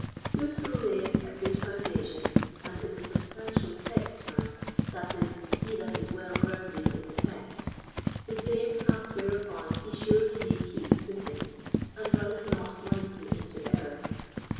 Whoso layeth a good foundation, and is a substantial Text man, that is, he that is well grounded in the Text, the same hath whereupon he surely may keep footing, and runneth not lightly into error.